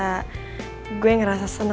lebih bermanfaat dari kalian